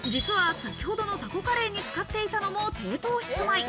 実は先ほどのタコカレーに使っていたのも、低糖質米。